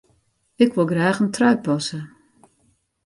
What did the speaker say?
Ik wol graach in trui passe.